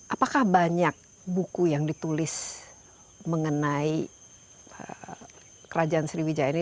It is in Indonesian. apakah banyak buku yang ditulis mengenai kerajaan sriwijaya ini